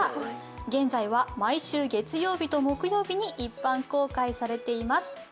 現在は毎週月曜日と木曜日に一般公開されています。